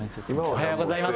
おはようございます！